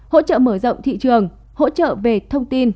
hỗ trợ mở rộng thị trường hỗ trợ về thông tin